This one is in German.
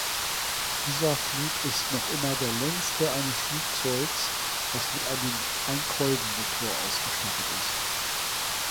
Dieser Flug ist noch immer der längste eines Flugzeugs, das mit einem Einkolbenmotor ausgestattet ist.